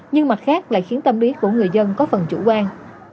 nhưng mặt khác lại khiến tâm lý của người dân có phần chủ quan